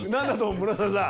村雨さん。